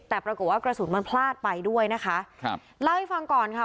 แต่ปรากฏว่ากระสุนมันพลาดไปด้วยนะคะครับเล่าให้ฟังก่อนค่ะ